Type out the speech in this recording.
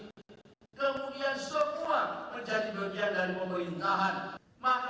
kemudian semua menjadi bagian dari pemerintahan